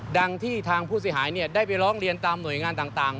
ดังที่ทางผู้เสียหายได้ไปร้องเรียนตามหน่วยงานต่าง